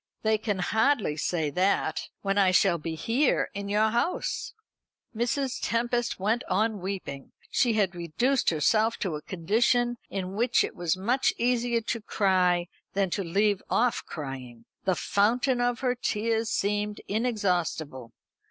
"They can hardly say that, when I shall be here in your house!" Mrs. Tempest went on weeping. She had reduced herself to a condition in which it was much easier to cry than to leave off crying. The fountain of her tears seemed inexhaustible.